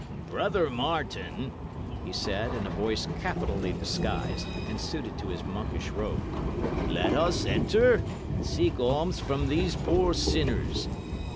"Brother Martin," he said, in a voice capitally disguised, and suited to his monkish robe, "let us enter and seek alms from these poor sinners.